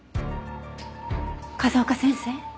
風丘先生？